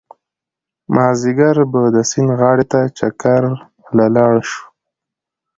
مازيګر به د سيند غاړې ته چکر له لاړ شو